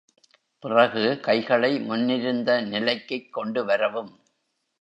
பிறகு, கைகளை முன்னிருந்த நிலைக்குக் கொண்டு வரவும்.